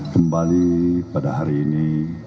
kembali pada hari ini